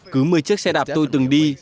cứ một mươi chiếc xe đạp tôi từng đi